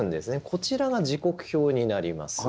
こちらが時刻表になります。